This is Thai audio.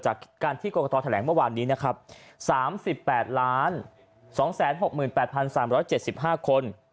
จากการที่กรกตแถลงเมื่อวานนี้นะครับ๓๘๒๖๘๓๗๕คน